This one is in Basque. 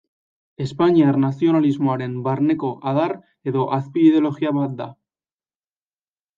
Espainiar nazionalismoaren barneko adar edo azpi-ideologia bat da.